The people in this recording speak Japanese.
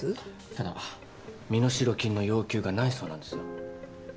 ただ身代金の要求がないそうなんです。